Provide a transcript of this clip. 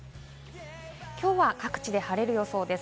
きょうは各地で晴れる予想です。